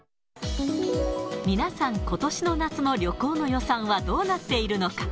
皆さんことしの夏の旅行の予算はどうなっているのか。